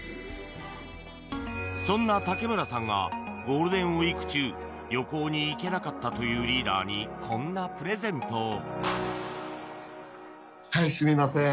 そんな竹村さんがゴールデンウィーク中旅行に行けなかったというリーダーにこんなプレゼントを。